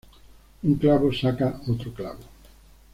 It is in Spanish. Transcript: Un clavo saca otro clavo